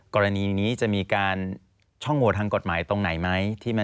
กรณีนี้จะมีการช่องโหวตทางกฎหมายตรงไหนไหม